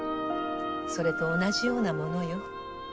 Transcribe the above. それと同じようなものよ